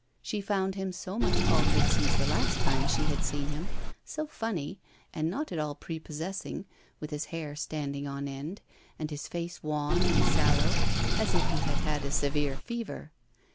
She found him so much altered since the last time she had seen him, so funny, and not at all prepossessing, with his hair standing on end, and his face wan and sallow, as if he had had a severe fever.